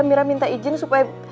mirah minta izin supaya